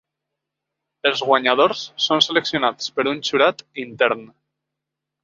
Els guanyadors són seleccionats per un jurat intern.